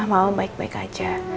semua mama baik baik aja